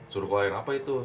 suruh keluarin apa itu